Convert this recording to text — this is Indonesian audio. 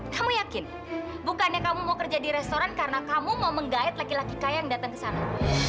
kamu yakin bukannya kamu mau kerja di restoran karena kamu mau menggait laki laki kaya yang datang ke sana